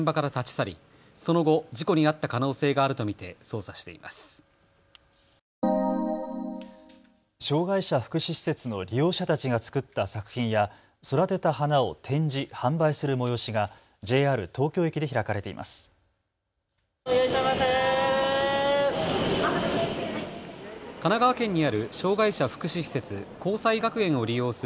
障害者福祉施設の利用者たちが作った作品や育てた花を展示・販売する催しがＪＲ東京駅で開かれています。